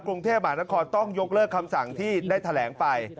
กรุงเทพมหานครต้องยกเลิกคำสั่งที่ได้แถลงไป